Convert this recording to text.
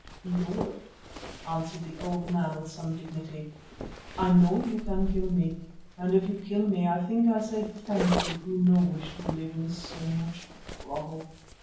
"Lord," answered the old man with some dignity, "I know you can kill me, and if you kill me, I think I say thank you who no wish to live in so much trouble.